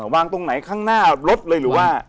วางตรงไหนข้างหน้ารถเลยหรือว่า